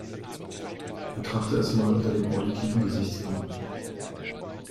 Betrachte es mal unter dem auditiven Gesichtspunkt.